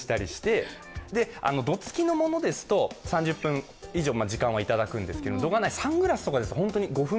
度付きのものですと３０分以上時間はいただくんですが度がないサングラスですと５分、